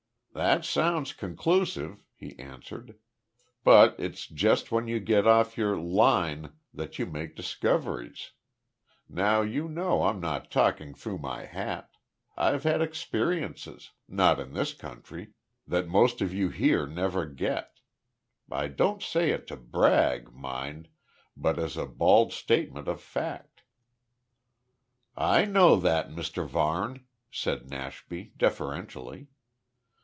"That sounds conclusive," he answered. "But it's just when you get off your `line' that you make discoveries. Now you know I'm not talking through my hat. I've had experiences not in this country that most of you here never get. I don't say it to brag, mind, but as a bald statement of fact." "I know that, Mr Varne," said Nashby, deferentially.